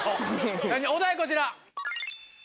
お題こちら。